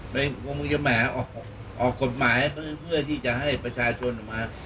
คงจะแหมออกกฎหมายเพื่อที่จะให้ประชาชนออกมา